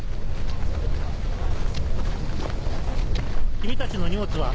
君たちの荷物は？